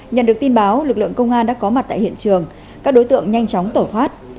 nhận được tin báo lực lượng công an đã có mặt tại hiện trường các đối tượng nhanh chóng tẩu thoát